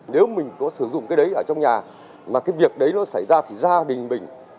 nếu mình có sử dụng cái đấy ở trong nhà mà cái việc đấy nó xảy ra thì gia đình mình